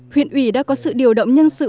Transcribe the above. huyện ủy đã có sự điều động nhân sự